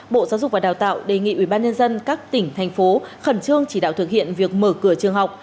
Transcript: bộ giáo dục và đào tạo đề nghị ubnd các tỉnh thành phố khẩn trương chỉ đạo thực hiện việc mở cửa trường học